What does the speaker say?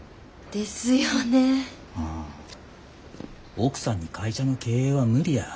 奥さんに会社の経営は無理や。